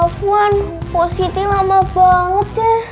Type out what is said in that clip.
afwan positi lama banget deh